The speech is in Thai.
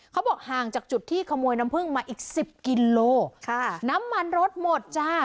เขาบอกห่างจากจุดที่ขโมยน้ำผึ้งมาอีกสิบกิโลค่ะน้ำมันรถหมดจ้า